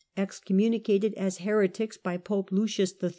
Excommunicated as heretics by Pope Lucius III.